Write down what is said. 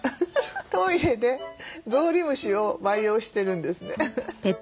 トイレでゾウリムシを培養してるんですね。